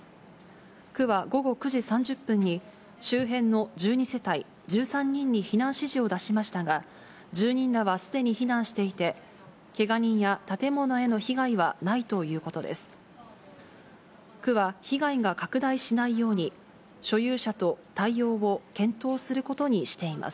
区は午後９時３０分に、周辺の１２世帯１３人に避難指示を出しましたが、住人らはすでに避難していて、けが人や建物への被害はないということです。